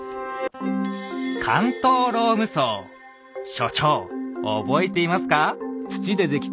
所長覚えていますか？